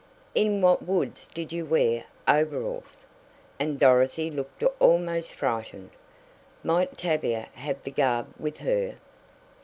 "In what woods did you wear overalls?" and Dorothy looked almost frightened. Might Tavia have the garb with her?